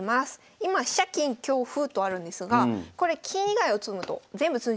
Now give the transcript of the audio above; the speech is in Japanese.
今飛車金香歩とあるんですがこれ金以外打つと全部詰んじゃいます。